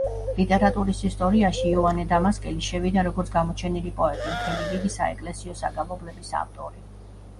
ლიტერატურის ისტორიაში იოანე დამასკელი შევიდა როგორც გამოჩენილი პოეტი, მთელი რიგი საეკლესიო საგალობლების ავტორი.